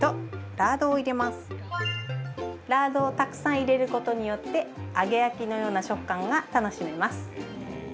ラードをたくさん入れることによって揚げ焼きのような食感が楽しめます。